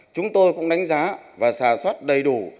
chúng tôi cũng đánh giá và xả xuất đầy đủ